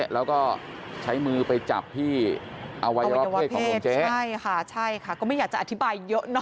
แล้วก็ใช้มือไปจับที่อวัยวะเพศของน้องเจ๊ใช่ค่ะใช่ค่ะก็ไม่อยากจะอธิบายเยอะเนอ